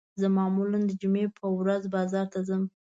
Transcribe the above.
زه معمولاً د جمعې په ورځ بازار ته ځم